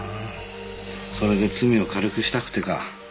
それで罪を軽くしたくてか。